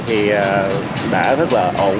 thì đã rất là ổn